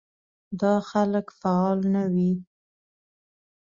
دا خلک فعال نه وي.